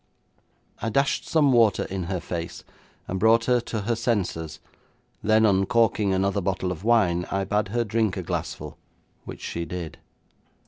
I dashed some water in her face, and brought her to her senses, then uncorking another bottle of wine, I bade her drink a glassful, which she did.